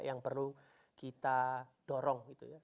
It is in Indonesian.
yang perlu kita dorong gitu ya